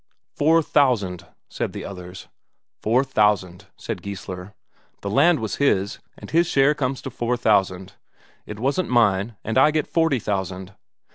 "Four thousand!" said the others. "Four thousand," said Geissler. "The land was his, and his share comes to four thousand. It wasn't mine, and I get forty thousand.